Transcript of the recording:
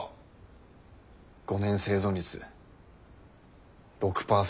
５年生存率６％って。